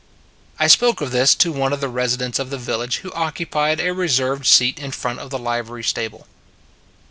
I spoke of this to one of the residents of the village who occupied a reserved seat in front of the livery stable.